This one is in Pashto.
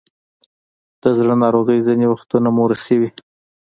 د زړه ناروغۍ ځینې وختونه موروثي وي.